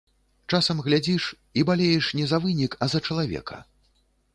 Часам глядзіш, і балееш не за вынік, а за чалавека.